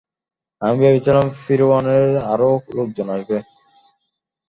আমি ভেবেছিলাম ফিওরনেরের আরও লোকজন আসবে।